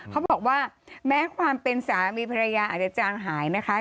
เขาบอกว่าแม้ความเป็นสามีภรรยาอาจจะจางหายนะคะ